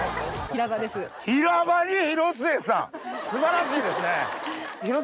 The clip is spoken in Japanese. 素晴らしいですね。